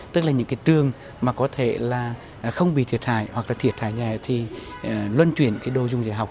tức là những trường mà có thể không bị thiệt hại hoặc là thiệt hại nhà thì luân chuyển đồ dùng dạy học